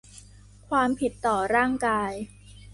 ความผิดต่อร่างกาย